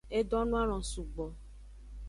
E donoalon sugbo.